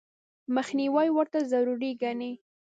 مخنیوي ورته ضروري ګڼي.